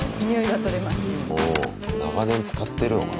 長年使ってるのかな？